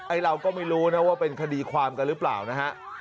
เราก็ไม่รู้นะว่าเป็นคดีความกันหรือเปล่านะฮะ